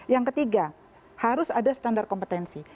yang ketiga harus ada standar kompetensi